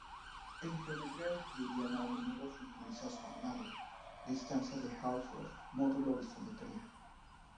En geometría euclidiana a menudo se utiliza su análogo, distancia de Hausdorff módulo isometría.